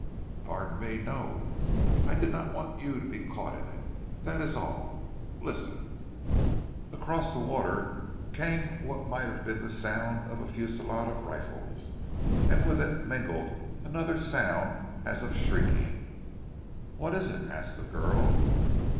"Pardon me, no! I did not want you to be caught in it, that is all! Listen!" Across the water came what might have been the sound of a fusillade of rifles, and with it mingled another sound as of shrieking. "What is it?" asked the girl.